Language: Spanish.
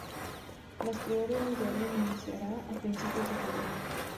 Las pre-órdenes del álbum iniciará a principios de febrero.